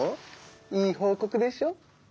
いい報告でしょ？